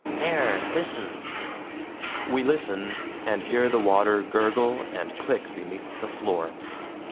there! listen!" We listen, and hear the water gurgle and click beneath the floor.